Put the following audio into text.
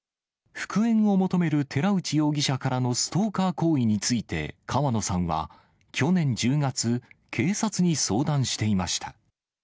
復縁を求める寺内容疑者からのストーカー行為について、川野さんは去年１０月、警察に相談していました。